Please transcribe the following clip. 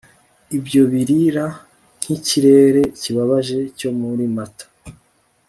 ibyo birira nk'ikirere kibabaje cyo muri mata